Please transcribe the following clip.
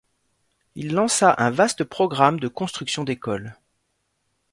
Il lança un vaste programme de construction d'écoles.